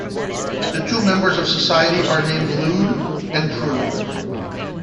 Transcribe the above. The two members of society are named "Lewd" and "Prude".